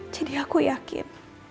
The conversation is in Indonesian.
jadi aku yakin